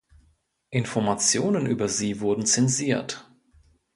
Informationen über sie wurden zensiert.